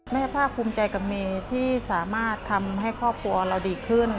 ภาคภูมิใจกับเมย์ที่สามารถทำให้ครอบครัวเราดีขึ้น